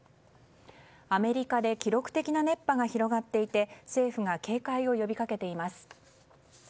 アメリカで記録的な熱波が広がっていて政府が警戒を呼びかけています。